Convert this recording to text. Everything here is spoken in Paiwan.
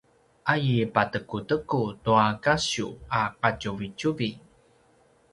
a i patekuteku tua kasiw a qatjuvitjuvi